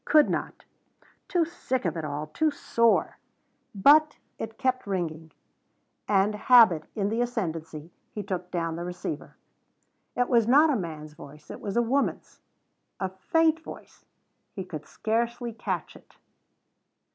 Could not. Too sick of it all too sore. But it kept ringing, and, habit in the ascendency, he took down the receiver. It was not a man's voice. It was a woman's. A faint voice he could scarcely catch it.